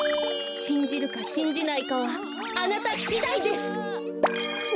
しんじるかしんじないかはあなたしだいです！